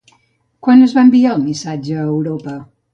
Quan es va enviar el missatge a Europa?